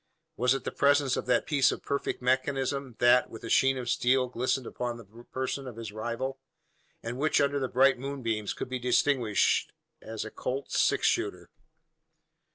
Was it the presence of that piece of perfect mechanism, that, with a sheen of steel, glistened upon the person of his rival, and which under the bright moonbeams, could be distinguished as a "Colt's six shooter?"